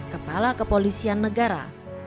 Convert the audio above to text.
kepala kepolisian negara